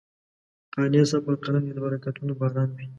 قانع صاحب پر قلم دې د برکتونو باران وي.